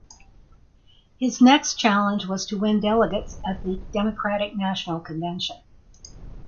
His next challenge was to win delegates at the Democratic National Convention.